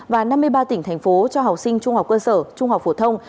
và năm mươi ba tỉnh thành phố cho học sinh trung học cơ sở trung học phổ thông